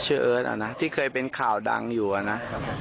ชื่อเอิร์ทอะนะที่เคยเป็นข่าวดังอยู่อะนะ